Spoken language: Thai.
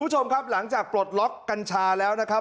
คุณผู้ชมครับหลังจากปลดล็อกกัญชาแล้วนะครับ